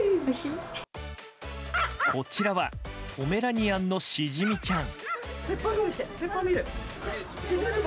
こちらは、ポメラニアンのしじみちゃん。